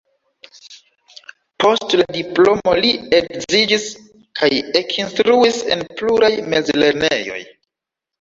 Post la diplomo li edziĝis kaj ekinstruis en pluraj mezlernejoj.